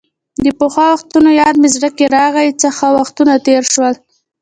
د پخوا وختونو یاد مې زړه کې راغۍ، څه ښه وختونه تېر شول.